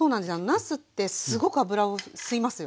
なすってすごく油を吸いますよね。